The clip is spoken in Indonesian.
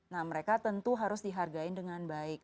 nah mereka tentu harus dihargai dengan baik